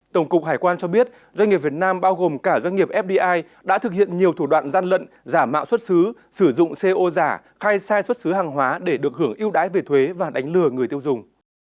tổng cục hải quan cho biết doanh nghiệp việt nam bao gồm cả doanh nghiệp fdi đã thực hiện nhiều thủ đoạn gian lận giả mạo xuất xứ sử dụng co giả khai sai xuất xứ hàng hóa để được hưởng ưu đãi về thuế và đánh lừa người tiêu dùng